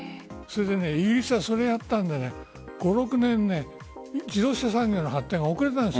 イギリスはそれをやったので５６年前自動車産業の発展が遅れたんです。